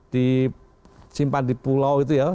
di simpan di pulau itu ya